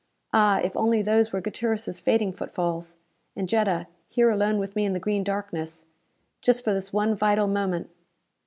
Ah, if only those were Gutierrez' fading footfalls! And Jetta, here alone with me in the green darkness! Just for this one vital moment.